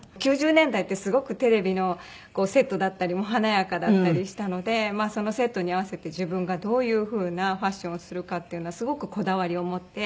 ９０年代ってすごくテレビのセットだったりも華やかだったりしたのでそのセットに合わせて自分がどういう風なファッションをするかっていうのはすごくこだわりを持って。